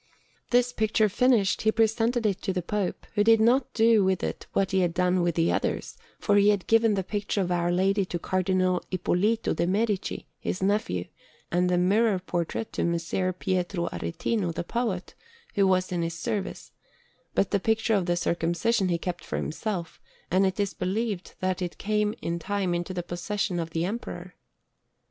This picture finished, he presented it to the Pope, who did not do with it what he had done with the others; for he had given the picture of Our Lady to Cardinal Ippolito de' Medici, his nephew, and the mirror portrait to Messer Pietro Aretino, the poet, who was in his service, but the picture of the Circumcision he kept for himself; and it is believed that it came in time into the possession of the Emperor.